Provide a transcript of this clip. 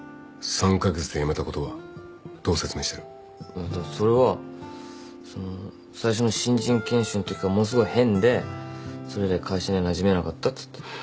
えとそれはその最初の新人研修のときからものすごい変でそれで会社にはなじめなかったっつってる。